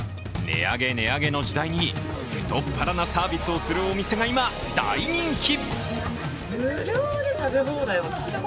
値上げ、値上げの時代に太っ腹なサービスをするお店が今、大人気。